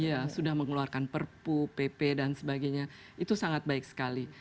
iya sudah mengeluarkan perpu pp dan sebagainya itu sangat baik sekali